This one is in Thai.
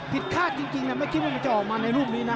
คาดจริงไม่คิดว่ามันจะออกมาในรูปนี้นะ